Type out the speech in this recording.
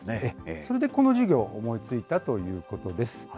それでこの事業を思いついたということです。